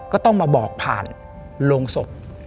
ก็ต้องมาบอกผ่านโรงศพ